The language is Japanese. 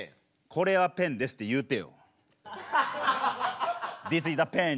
これはペンですって言うて。